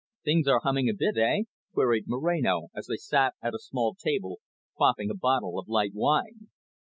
"Things are humming a bit, eh?" queried Moreno, as they sat at a small table, quaffing a bottle of light wine.